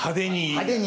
派手に。